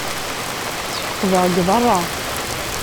Ssfeqdeɣ deg berra.